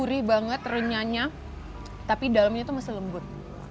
seri banget renyanya tapi dalamnya tuh masih lembut